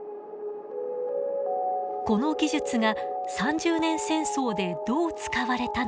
この技術が三十年戦争でどう使われたのか。